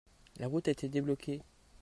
La route a été débloquée.